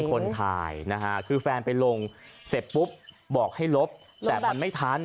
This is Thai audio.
คนถ่ายนะฮะคือแฟนไปลงเสร็จปุ๊บบอกให้ลบแต่มันไม่ทัน